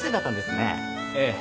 ええ。